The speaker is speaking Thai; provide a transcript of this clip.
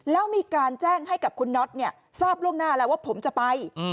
แล้วมีการแจ้งให้กับคุณน็อตทราบล่วงหน้าแล้วว่าผมจะไป